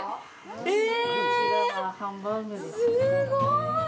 すごーい！